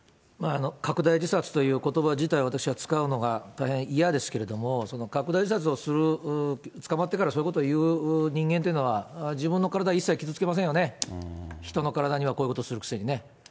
かくだい自殺ということば自体、私は使うのが大変嫌ですけれども、そのかくだい自殺をする、捕まってからそういうことを言う人間というのは、自分の体、一切傷つけませんよね、人の体にはこういうことするくせにね。